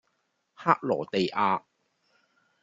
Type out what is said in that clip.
克羅地亞